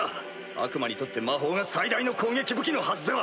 悪魔にとって魔法が最大の攻撃武器のはずでは。